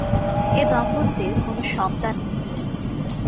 এ দম্পতির কোন সন্তান নেই।